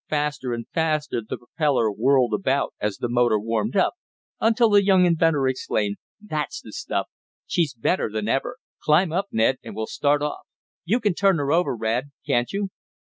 Faster and faster the propeller whirled about as the motor warmed up, until the young inventor exclaimed: "That's the stuff! She's better than ever! Climb up Ned, and we'll start off. You can turn her over, Rad; can't you?"